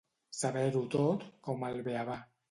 Saber-ho tot com el beabà.